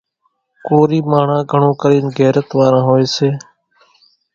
ڪورِي ماڻۿان گھڻو ڪرينَ غيرت واران هوئيَ سي۔